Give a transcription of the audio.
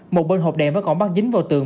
một bên hộp đèn vẫn còn bắt dính vào tường